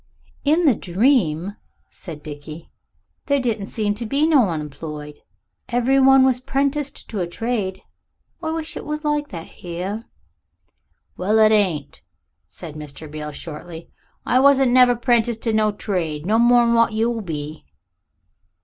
"In the dream," said Dickie, "there didn't seem to be no unemployed. Every one was 'prenticed to a trade. I wish it was like that here." "Well, it ain't," said Mr. Beale shortly. "I wasn't never 'prenticed to no trade, no more'n what you'll be."